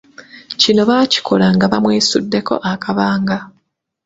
Kino bakikola nga bamwesuddako akabanga.